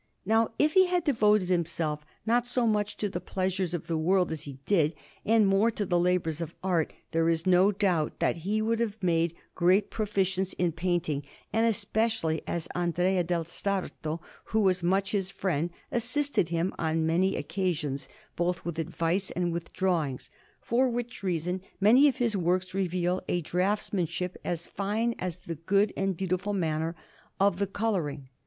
Now if he had devoted himself not so much to the pleasures of the world, as he did, and more to the labours of art, there is no doubt that he would have made great proficience in painting, and especially as Andrea del Sarto, who was much his friend, assisted him on many occasions both with advice and with drawings; for which reason many of his works reveal a draughtsmanship as fine as the good and beautiful manner of the colouring.